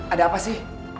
ada apa sih